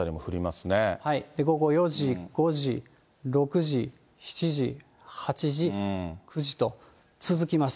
午後４時、５時、６時、７時、８時、９時と続きます。